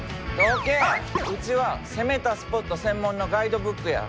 うちは攻めたスポット専門のガイドブックや。